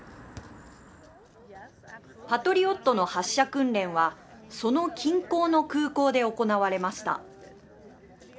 パトリオットの発射訓練はその近郊の空港で行われました。